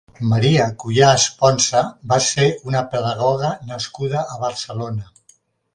Maria Cuyàs Ponsa va ser una pedagoga nascuda a Barcelona.